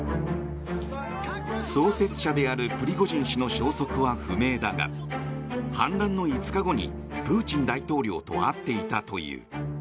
創設者であるプリゴジン氏の消息は不明だが反乱の５日後にプーチン大統領と会っていたという。